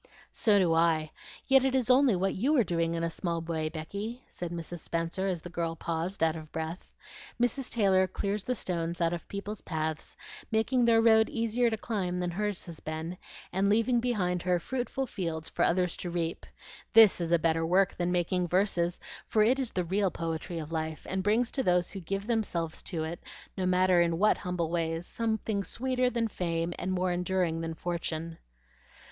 "So do I, yet it is only what you are doing in a small way, Becky," said Mrs. Spenser, as the girl paused out of breath. "Mrs. Taylor clears the stones out of people's paths, making their road easier to climb than hers has been, and leaving behind her fruitful fields for others to reap. This is a better work than making verses, for it is the real poetry of life, and brings to those who give themselves to it, no matter in what humble ways, something sweeter than fame and more enduring than fortune."